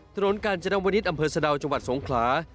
ถนนกาญจนวนิษฐ์อำเภอสะดาวจังหวัดสงขลา